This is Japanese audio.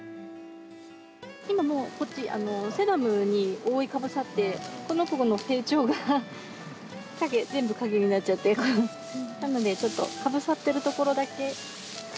今もうこっちセダムに覆いかぶさってこの子の成長が全部陰になっちゃってるからなのでちょっとかぶさってる所だけ。